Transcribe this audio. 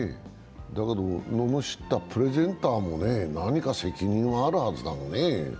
だけど、ののしったプレゼンターも何か責任はあるはずだもんね。